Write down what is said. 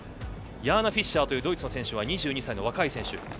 ヤーナ・フィッシャーというドイツの選手は２２歳の若い選手。